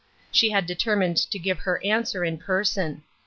She had determined to give her answer in person.